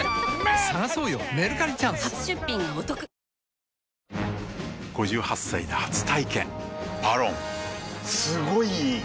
本麒麟５８歳で初体験「ＶＡＲＯＮ」すごい良い！